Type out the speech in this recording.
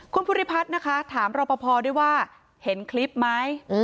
คุณภูริพัฒน์นะคะถามรอปภด้วยว่าเห็นคลิปไหม